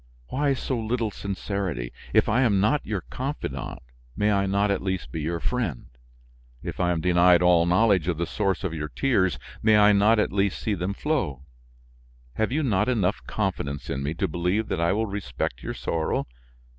"Why so little sincerity? If I am not your confidant, may I not, at least, be your friend? If I am denied all knowledge of the source of your tears, may I not, at least, see them flow? Have you not enough confidence in me to believe that I will respect your sorrow?